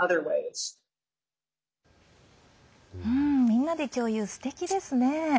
みんなで共有、すてきですね。